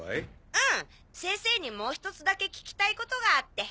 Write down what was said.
うん先生にもう１つだけ聞きたいことがあって。